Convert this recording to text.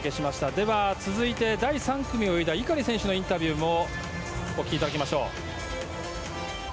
では続いて、第３組を泳いだ井狩選手のインタビューもお聞きいただきましょう。